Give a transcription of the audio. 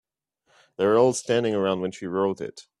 They were all standing around when she wrote it.